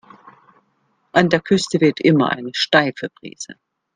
An der Küste weht immer eine steife Brise.